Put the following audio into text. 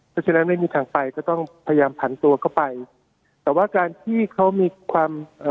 เพราะฉะนั้นไม่มีทางไปก็ต้องพยายามผันตัวเข้าไปแต่ว่าการที่เขามีความเอ่อ